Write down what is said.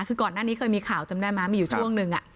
คือก่อนหน้านี้เคยมีข่าวจำได้ไหมมีอยู่ช่วงนึง